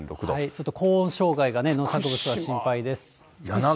ちょっと高温障害がね、農作物は心配です。